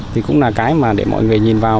thì cũng là cái mà để mọi người nhìn vào